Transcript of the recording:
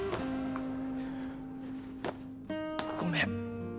ごめん。